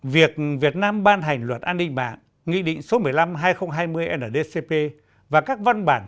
việc việt nam ban hành luật an ninh mạng nghị định số một mươi năm hai nghìn hai mươi ndcp và các văn bản